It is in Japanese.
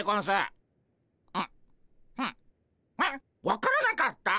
分からなかった？